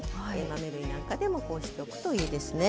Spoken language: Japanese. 豆類なんかでもこうしとくといいですね。